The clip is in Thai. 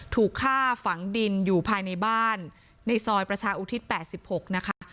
ถูกฆ่าฝังดินอยู่ภายในบ้านในซอยประชาอุทิศ๘๖นะคะ